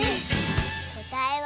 こたえは。